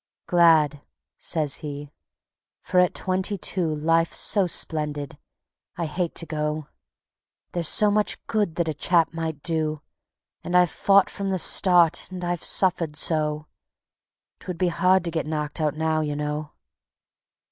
"Glad," says he, "for at twenty two Life's so splendid, I hate to go. There's so much good that a chap might do, And I've fought from the start and I've suffered so. 'Twould be hard to get knocked out now, you know."